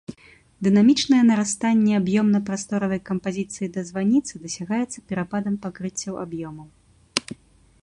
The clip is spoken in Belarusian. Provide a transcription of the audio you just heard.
Дынамічнае нарастанне аб'ёмна-прасторавай кампазіцыі да званіцы дасягаецца перападам пакрыццяў аб'ёмаў.